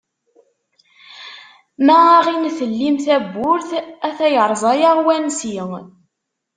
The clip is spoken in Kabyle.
Ma aɣ-in-tellim tawwurt, ata yeṛẓa-aɣ wansi.